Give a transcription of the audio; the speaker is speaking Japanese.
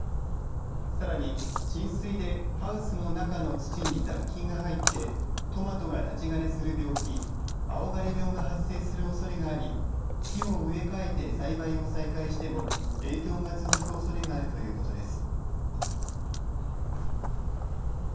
さらに、浸水でハウスの中の土に雑菌が入ってトマトが立ち枯れする病気青枯病が発生するおそれがあり木を植え替えて栽培を再開しても影響が続くおそれがあるということです。